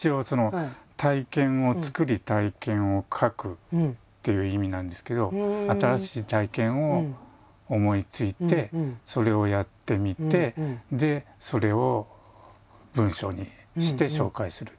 一応っていう意味なんですけど新しい体験を思いついてそれをやってみてそれを文章にして紹介する。